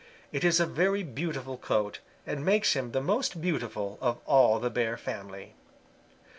It is a very beautiful coat and makes him the most beautiful of all the Bear family.